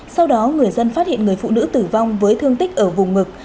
sau đó người dân phát hiện người phụ nữ tử vong với thương tích ở vùng ngực